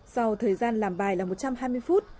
sau thời gian làm bài là một trăm hai mươi phút